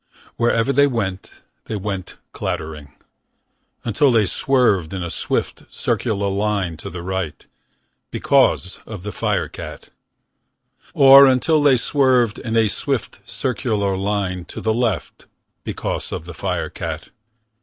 Wherever they went. They went clattering. Until they swerved. In a swift, circular line. To the right. Because of the firecat. Or until they swerved. In a swift, circular line. To the left. Because of the firecat.